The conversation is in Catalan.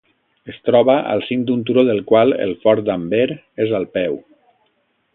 Es troba al cim d'un turó del qual el fort d'Amber és al peu.